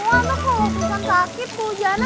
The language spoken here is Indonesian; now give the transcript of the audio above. kalau susan sakit hujanan gimana